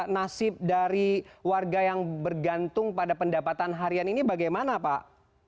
nasib dari warga yang bergantung pada pendapatan harian ini bagaimana pak